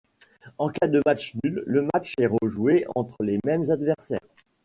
En cas de match nul, le match est rejoué entre les mêmes adversaires.